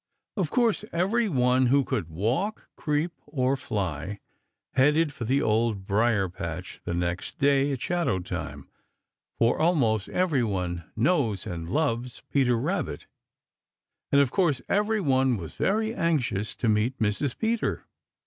Of course, every one who could walk, creep, or fly headed for the Old Briar patch the next day at shadow time, for almost every one knows and loves Peter Rabbit, and of course every one was very anxious to meet Mrs. Peter.